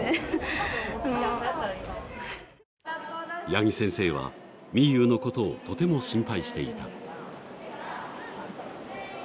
八木先生は、みゆうのことをとても心配していた。